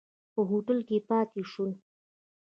په هوټل کې پاتې شول.